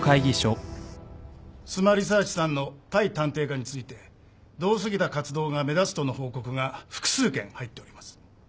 スマ・リサーチさんの対探偵課について度を過ぎた活動が目立つとの報告が複数件入っております。